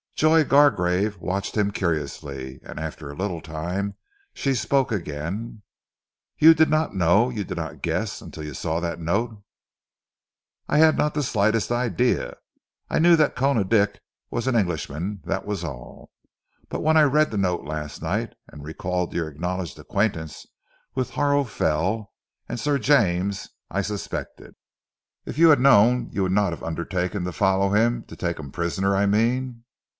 Joy Gargrave watched him curiously, and, after a little time, she spoke again. "You did not know you did not guess until you saw that note?" "I had not the slightest idea. I knew that Koona Dick was an Englishman that was all. But when I read the note last night, and recalled your acknowledged acquaintance with Harrow Fell and Sir James, I suspected." "If you had known you would not have undertaken to follow him to take him prisoner, I mean?"